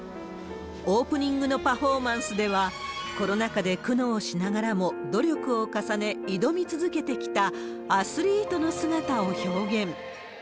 オープニングのパフォーマンスでは、コロナ禍で苦悩しながらも努力を重ね、挑み続けてきたアスリートの姿を表現。